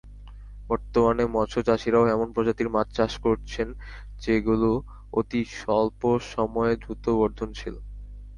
বর্তমানে মৎস্যচাষিরাও এমন প্রজাতির মাছ চাষ করছেন, যেগুলো অতি অল্প সময়ে দ্রুত বর্ধনশীল।